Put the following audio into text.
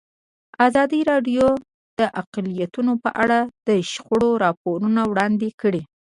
ازادي راډیو د اقلیتونه په اړه د شخړو راپورونه وړاندې کړي.